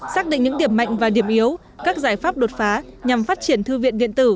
xác định những điểm mạnh và điểm yếu các giải pháp đột phá nhằm phát triển thư viện điện tử